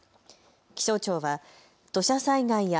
気象庁は土砂災害や